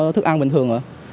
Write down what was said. thức ăn bình thường